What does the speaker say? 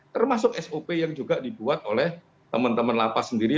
termasuk sop yang juga dibuat oleh teman teman lapas sendiri